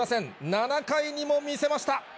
７回にも見せました。